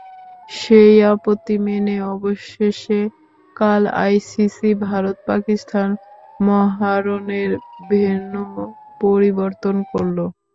সেই আপত্তি মেনে অবশেষে কাল আইসিসি ভারত-পাকিস্তান মহারণের ভেন্যু পরিবর্তন করল।